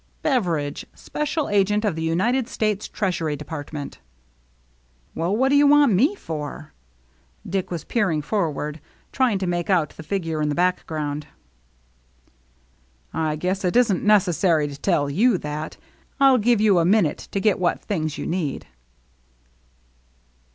X " Beveridge, special agent of the United States Treasury Department." " Well, what do you want me for ?" Dick was peering forward, trying to make out the figure in the background. "I guess it isn't necessary to tell you that; ril give you a minute to get what things you need."